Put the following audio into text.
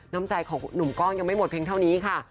น้ำใจของหนุ่มกล้องยังไม่หมดเพียงเท่านี้ค่ะ